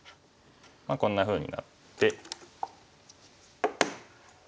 こんなふうになって。